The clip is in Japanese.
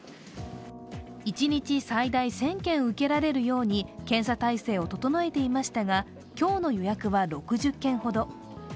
一日最大１０００件受けられるように検査体制を整えていましたが、今日の予約は６０件ほど。